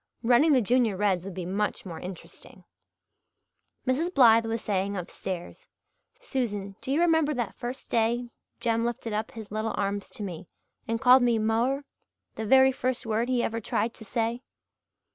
Running the Junior Reds would be much more interesting. Mrs. Blythe was saying upstairs, "Susan, do you remember that first day Jem lifted up his little arms to me and called me 'mo'er' the very first word he ever tried to say?"